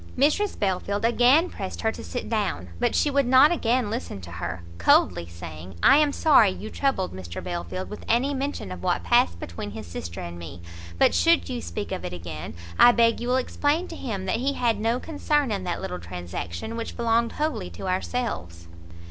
Mrs Belfield again pressed her to sit down, but she would not again listen to her, coldly saying "I am sorry you troubled Mr Belfield with any mention of what passed between his sister and me, but should you speak of it again, I beg you will explain to him that he had no concern in that little transaction, which belonged wholly to ourselves."